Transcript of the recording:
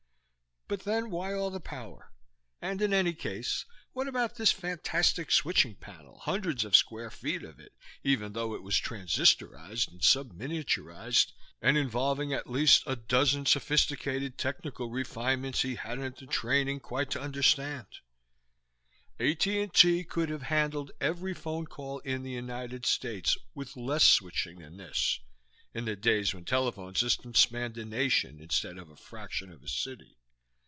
But then, why all the power? And in any case, what about this fantastic switching panel, hundreds of square feet of it even though it was transistorized and subminiaturized and involving at least a dozen sophisticated technical refinements he hadn't the training quite to understand? AT&T could have handled every phone call in the United States with less switching than this in the days when telephone systems spanned a nation instead of a fraction of a city.